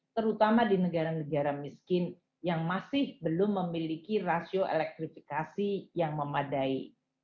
terutama di negara negara miskin yang masih belum memiliki rasio elektrifikasi yang memadai